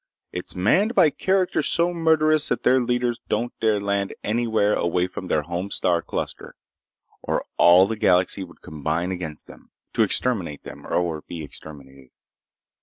It's manned by characters so murderous that their leaders don't dare land anywhere away from their home star cluster, or all the galaxy would combine against them, to exterminate them or be exterminated.